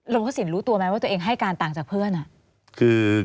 พระสินรู้ตัวไหมว่าตัวเองให้การต่างจากเพื่อน